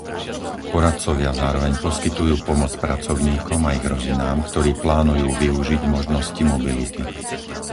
Poradcovia zároveň poskytujú pomoc pracovníkom a ich rodinám, ktorí plánujú využiť možnosti mobility.